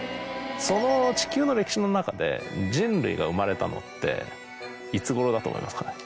その地球の歴史の中で人類が生まれたのっていつごろだと思いますかね？